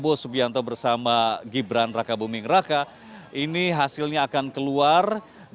dan anis muhaimin ganjar mahfud dan juga prabowo subianto bersama gibran raka buming raka ini hasilnya akan keluar